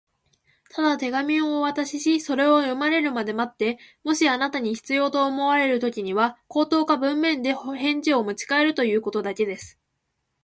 「ただ手紙をお渡しし、それを読まれるまで待って、もしあなたに必要と思われるときには、口頭か文面で返事をもちかえるということだけです」